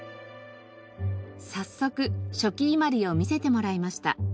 早速初期伊万里を見せてもらいました。